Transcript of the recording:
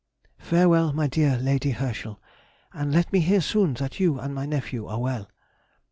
Farewell, my dear Lady Herschel, and let me hear soon that you and my nephew are well.